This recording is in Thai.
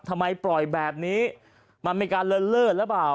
ทำไมปล่อยแบบนี้อเมริกาเล่นรึเปล่า